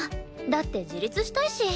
だって自立したいし。